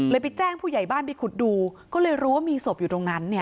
ไปแจ้งผู้ใหญ่บ้านไปขุดดูก็เลยรู้ว่ามีศพอยู่ตรงนั้นเนี่ย